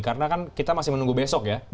karena kan kita masih menunggu besok ya